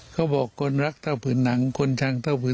เขาบอกคนรักเท่าผืนหนังคนชังเท่าผืน